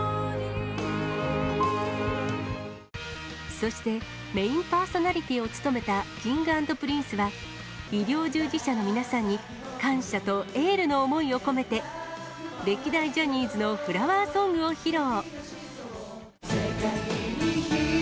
そして、メインパーソナリティーを務めたＫｉｎｇ＆Ｐｒｉｎｃｅは、医療従事者の皆さんに、感謝とエールの想いを込めて、歴代ジャニーズのフラワーソングを披露。